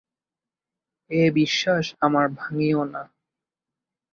এ বিশ্বাস আমার ভাঙিয়ো না।